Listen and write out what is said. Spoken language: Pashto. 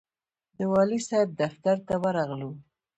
د والي صاحب دفتر ته ورغلو.